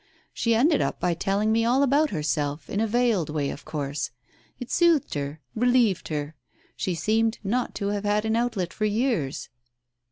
She ended by telling me all about herself — in a veiled way, of course. It soothed her — relieved her — §he seemed not to have had an outlet for years